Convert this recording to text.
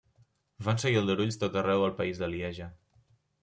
Van seguir aldarulls tot arreu el país de Lieja.